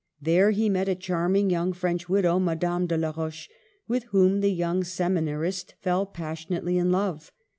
There he met a charming young French widow, Madame de la Roche, with whom the young seminarist fell passionately in love.